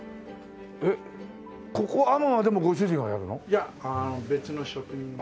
いや別の職人が。